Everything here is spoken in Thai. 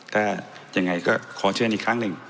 ถ้ายังไงก็ขอเชิญอีกครั้งหนึ่ง